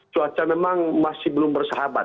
cuaca memang masih belum bersahabat